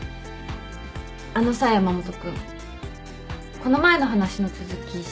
あのさ山本君この前の話の続きしていい？